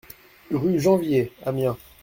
Rue Janvier, Amiens